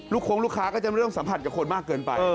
โค้งลูกค้าก็จะไม่ต้องสัมผัสกับคนมากเกินไป